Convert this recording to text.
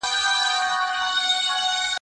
راپاڅئ! په پښتون یې د خیبر لارې تړلي